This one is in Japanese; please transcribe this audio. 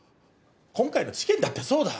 今回の事件だってそうだ。